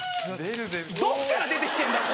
どっから出てきてんだ。